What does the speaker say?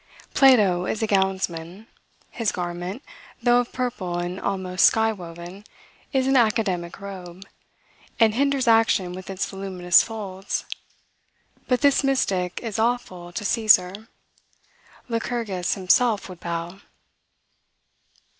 Plato is a gownsman; his garment, though of purple, and almost skywoven, is an academic robe, and hinders action with its voluminous folds. But this mystic is awful to Caesar. Lycurgus himself would bow.